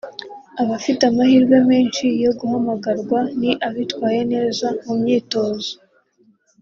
Abafite amahirwe menshi yo guhamagarwa ni abitwaye neza mu myitozo